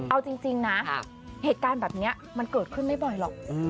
เอาจริงนะเหตุการณ์แบบนี้มันเกิดขึ้นไม่บ่อยหรอก